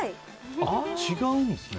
違うんですね。